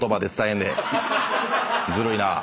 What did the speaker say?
ずるいなぁ。